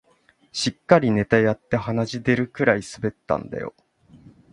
しっかりネタやって鼻血出るくらい滑ったんだよ